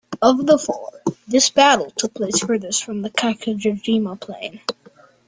Of the four, this battle took place furthest from the Kawanakajima plain.